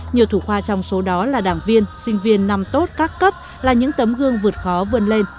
nhiều thủ khoa trong số đó là đảng viên sinh viên năm tốt các cấp là những tấm gương vượt khó vươn lên